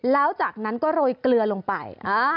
แล้วจากนั้นก็โรยเกลือลงไป